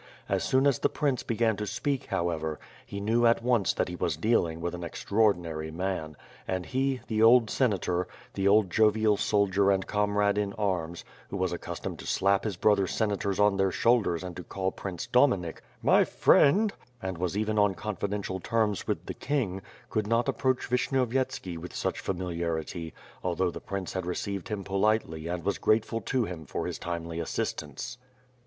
As soon as the prince began to speak however, he knew at once that he was dealing with an extraordinary man and he, the old Senator, the old jovial soldier and comrade in arms, who was accustomed to slap his brother senators on their shoulders and to call Prince Dominik *^my friend," and was even on confidential terms with the king, could not approaxih Vishnyovyet«^ki with such familiarity although the prince had received him politely and was grateful to him for his timely assistance.